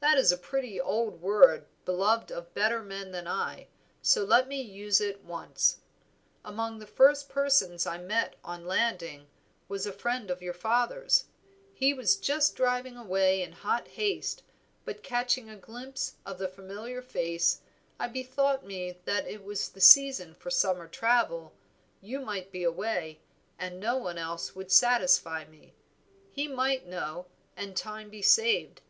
That is a pretty old word beloved of better men than I, so let me use it once. Among the first persons I met on landing was a friend of your father's; he was just driving away in hot haste, but catching a glimpse of the familiar face, I bethought me that it was the season for summer travel, you might be away, and no one else would satisfy me; he might know, and time be saved.